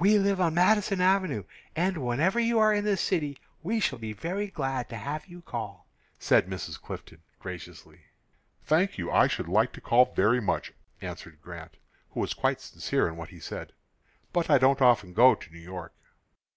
"We live on Madison Avenue, and whenever you are in the city we shall be very glad to have you call," said Mrs. Clifton, graciously. "Thank you; I should like to call very much," answered Grant, who was quite sincere in what he said. "But I don't often go to New York."